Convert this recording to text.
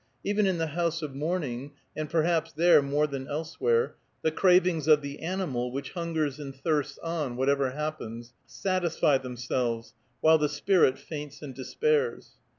Even in the house of mourning, and perhaps there more than elsewhere, the cravings of the animal, which hungers and thirsts on, whatever happens, satisfy themselves, while the spirit faints and despairs.